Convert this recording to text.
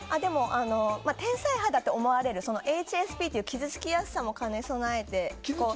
天才肌と思われるＨＳＰという傷つきやすさも兼ね備えて。